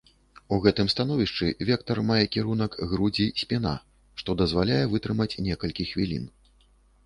У гэтым становішчы вектар мае кірунак грудзі-спіна, што дазваляе вытрымаць некалькі хвілін.